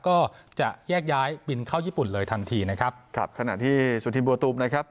ก็จะแยกย้ายบินเข้าญี่ปุ่นเลยทันทีนะครับครับขณะที่สุธินบัวตูมนะครับ